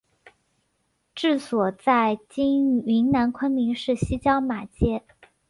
治所在今云南昆明市西郊马街。